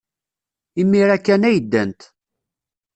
Imir-a kan ay ddant.